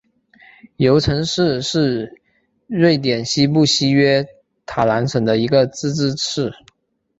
尤城市是瑞典西部西约塔兰省的一个自治市。